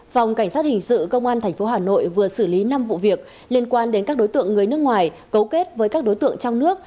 phòng cảnh sát hình sự công an tp hà nội vừa xử lý năm vụ việc liên quan đến các đối tượng người nước ngoài cấu kết với các đối tượng trong nước